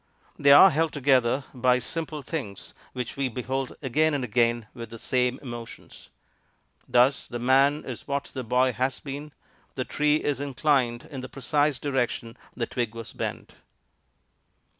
They are held together by simple things which we behold again and again with the same emotions. Thus the man is what the boy has been; the tree is inclined in the precise direction the twig was bent.